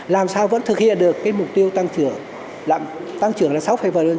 làm sao vẫn thực hiện được cái mục tiêu tăng trưởng là sáu bảy